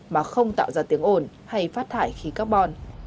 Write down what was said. mà không tạo ra tiếng ồn hay phát thải khí carbon